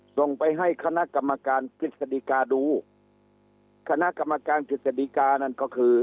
ส่งไปให้คณะกรรมการกฤษฎิกาดูคณะกรรมการกฤษฎิกานั่นก็คือ